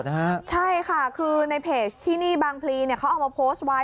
จริงสิค่ะใช่ค่ะคือในเพจที่นี่บางพลีนี่เขาเอามาโพสต์ไว้